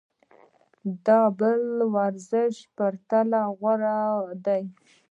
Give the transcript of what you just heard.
دا د بل هر روش په پرتله غوره ده.